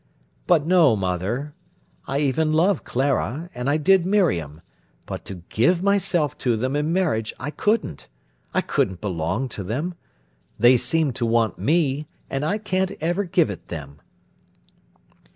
"But no, mother. I even love Clara, and I did Miriam; but to give myself to them in marriage I couldn't. I couldn't belong to them. They seem to want me, and I can't ever give it them."